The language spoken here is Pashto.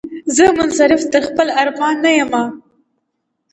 زه منصرف تر خپل ارمان نه یمه